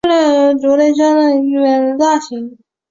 大部份蚁鸟的喙都相对较大及重型。